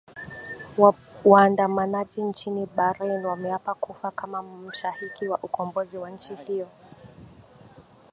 waandamanaji nchini bahrain wameapa kufa kama mashahiki wa ukombozi wa nchi hiyo